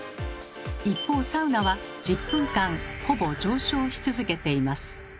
一方サウナは１０分間ほぼ上昇し続けています。